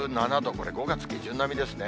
これ、５月下旬並みですね。